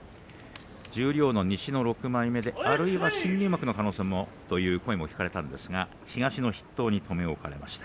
十両の西の６枚目であるいは新入幕の可能性もということがあったんですが東の筆頭に留め置かれました。